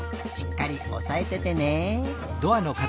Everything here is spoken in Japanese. しっかりおさえててね。